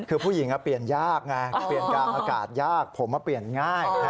คือผู้หญิงเปลี่ยนยากไงเปลี่ยนกลางอากาศยากผมมาเปลี่ยนง่าย